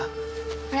あれ？